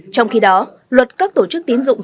trong khi đó luật các tổ chức tín dụng